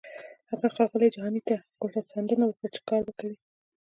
هغه ښاغلي جهاني ته کوتڅنډنه وکړه چې کار به کوي.